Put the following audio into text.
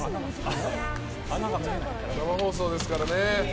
生放送ですからね。